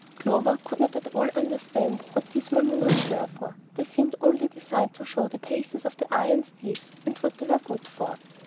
Clover could not at all understand what all these manoeuvres were for, they seemed only designed to show the paces of the iron steeds, and what they were good for.